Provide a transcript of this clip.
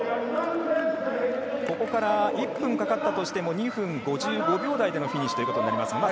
ここから１分かかったとしても２分５５秒台でのフィニッシュとなります。